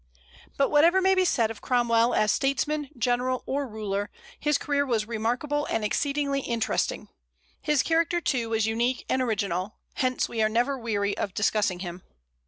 But whatever may be said of Cromwell as statesman, general, or ruler, his career was remarkable and exceedingly interesting. His character, too, was unique and original; hence we are never weary of discussing him.